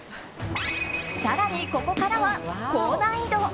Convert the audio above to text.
更にここからは高難易度！